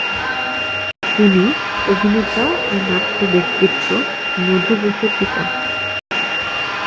তিনি অভিনেতা ও নাট্যব্যক্তিত্ব মধু বসুর পিতা।